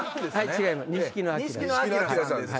違います。